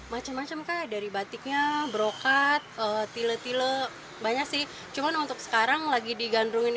macam macam kayak dari batiknya brokat tile tile banyak sih cuman untuk sekarang lagi digandungin